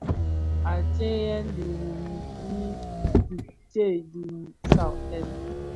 Antseyèn dirun nyi ki tsee dhi saaten.